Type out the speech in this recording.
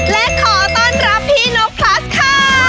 และขอต้อนรับพี่นกพลัสค่ะ